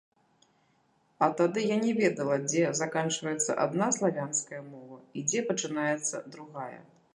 А тады я не ведала, дзе заканчваецца адна славянская мова, і дзе пачынаецца другая.